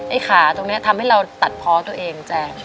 ขาตรงนี้ทำให้เราตัดเพาะตัวเองแจง